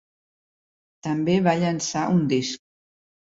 També va llençar un disc.